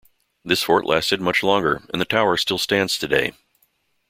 This fort lasted much longer, and the tower still stands today.